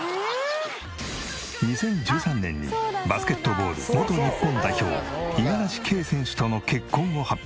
２０１３年にバスケットボール元日本代表五十嵐圭選手との結婚を発表。